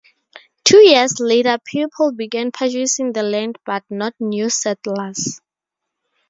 Two years later people began purchasing the land but not new settlers.